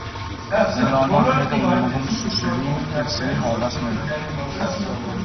Նրանով ետ էին մղում սուսերի և սրի հարվածները։